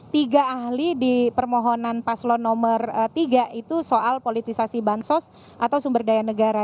tiga ahli di permohonan paslon nomor tiga itu soal politisasi bansos atau sumber daya negara